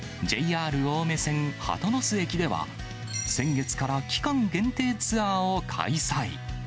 ＪＲ青梅線鳩ノ巣駅では、先月から期間限定ツアーを開催。